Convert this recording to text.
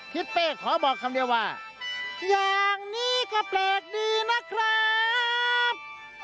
ทิศเป้ขอบอกคำเดียวว่าอย่างนี้ก็แปลกดีนะครับ